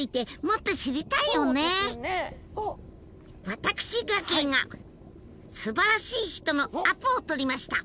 私ガキィがすばらしい人のアポを取りました。